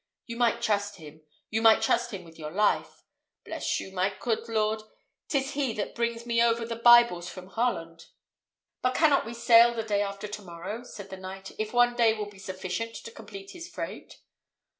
You might trust him; you might trust him with your life. Bless you, my coot lord! 'tis he that brings me over the Bibles from Holland." "But cannot we sail the day after to morrow," said the knight, "if one day will be sufficient to complete his freight?"